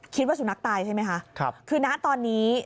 คิดว่าสุนัขตายใช่ไหมคะคือณตอนนี้